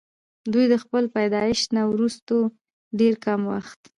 دوي د خپل پيدائش نه وروستو ډېر کم وخت